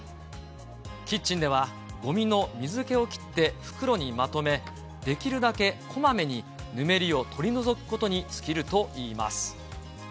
キッチンでは、ごみの水けを切って袋にまとめ、できるだけこまめにぬめりを取り除くことに尽きるといいます。